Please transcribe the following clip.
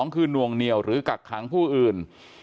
คือนวงเหนียวหรือกักขังผู้อื่น